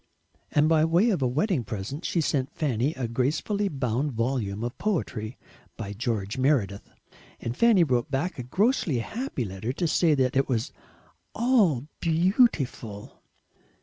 And by way of a wedding present she sent Fanny a gracefully bound volume of poetry by George Meredith, and Fanny wrote back a grossly happy letter to say that it was "ALL beautiful."